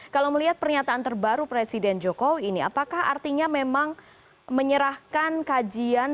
kalau melihat pernyataan terbaru presiden jokowi ini apakah artinya memang menyerahkan kajian